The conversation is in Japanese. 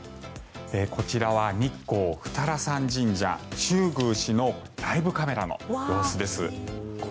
こちらは日光二荒山神社中宮祠のライブカメラの様子です。